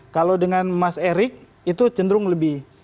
kalau dengan mas erick itu cenderung lebih